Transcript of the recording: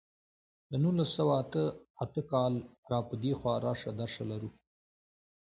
له نولس سوه اته اته کال را په دېخوا راشه درشه لرو.